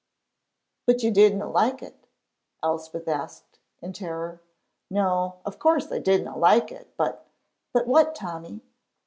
"But you didna like it?" Elspeth asked, in terror. "No, of course I didna like it, but " "But what, Tommy?"